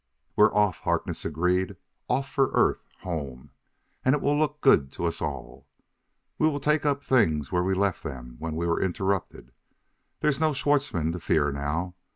"We're off!" Harkness agreed. "Off for Earth home! And it will look good to us all. We will take up things where we left them when we were interrupted: there's no Schwartzmann to fear now.